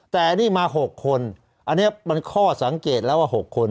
แต่อันนี้มา๖คนอันนี้มันข้อสังเกตแล้วว่า๖คน